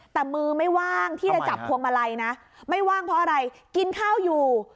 แต่มือไม่ว่างที่จะจับพวงมาลัยนะไม่ว่างเพราะอะไรกินข้าวอยู่